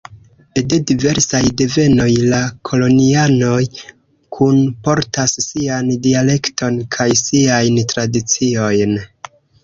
De diversaj devenoj, la kolonianoj kunportas sian dialekton kaj siajn tradiciojn.